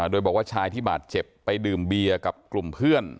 โดยบอกว่าชายที่บาดเจ็บไปดื่มเบียร์กับกลุ่มเพื่อน